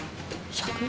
１，０００？